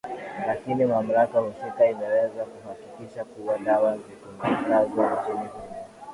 lakini mamlaka husika imeweza kuhakikisha kuwa dawa zitumikazo nchini humo